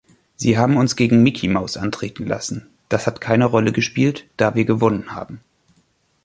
Sie haben uns gegen Mickey Mouse antreten lassen. Das hat keine Rolle gespielt, da wir gewonnen haben.